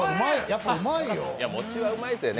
やっぱ、うまいよ。